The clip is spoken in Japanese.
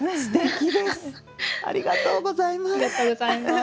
ありがとうございます。